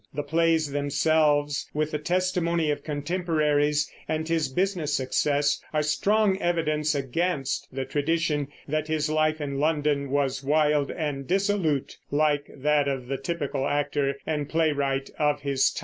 The plays themselves, with the testimony of contemporaries and his business success, are strong evidence against the tradition that his life in London was wild and dissolute, like that of the typical actor and playwright of his time.